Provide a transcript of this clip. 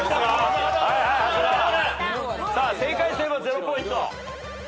正解すれば０ポイント。